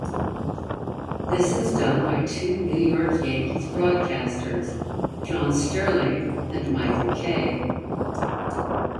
This is done by two New York Yankees broadcasters: John Sterling and Michael Kay.